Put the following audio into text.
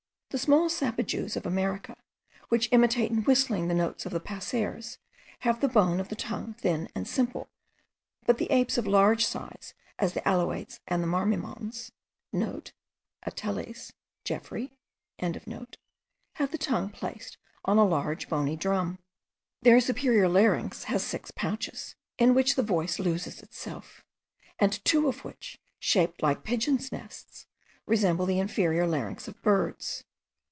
The small sapajous of America, which imitate in whistling the tones of the passeres, have the bone of the tongue thin and simple, but the apes of large size, as the alouates and marimondes,* (* Ateles, Geoffroy.) have the tongue placed on a large bony drum. Their superior larynx has six pouches, in which the voice loses itself; and two of which, shaped like pigeons' nests, resemble the inferior larynx of birds.